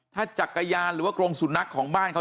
ถ้าจักรยานหรือว่ากรงสุนัขของบ้านเขา